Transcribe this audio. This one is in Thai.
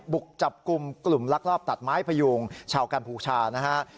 บุกจับกลุ่มลักลอบตัดไม้พยุงชาวกัมพูชานะครับ